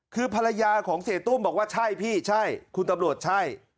คือภรรยาของเสียตุ้มบอกว่าใช่พี่ใช่คุณตำรวจใช่